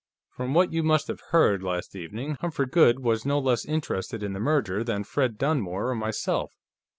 From what you must have heard, last evening, Humphrey Goode was no less interested in the merger than Fred Dunmore or myself.